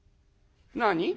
「何？」。